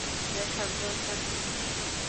দেখার দরকার নেই।